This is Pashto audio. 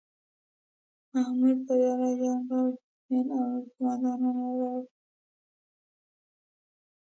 محمود بریالی، جنرال مومن او نور قوماندان ولاړ وو.